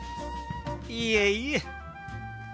いえいえ。